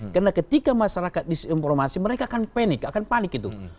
karena ketika masyarakat disinformasi mereka akan panik akan panik itu